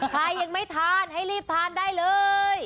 ใครยังไม่ทานให้รีบทานได้เลย